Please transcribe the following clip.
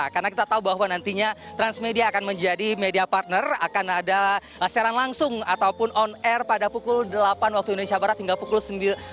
karena kita tahu bahwa nantinya transmedia akan menjadi media partner akan ada serang langsung ataupun on air pada pukul dua puluh waktu indonesia barat hingga pukul dua puluh satu waktu indonesia barat